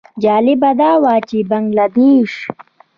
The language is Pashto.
جالبه دا وه چې د بنګله دېش.